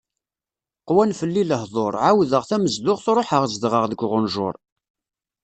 Qwan fell-i lehḍur, ɛawdeɣ tamezduɣt ruḥeɣ zedɣeɣ deg uɣenǧur.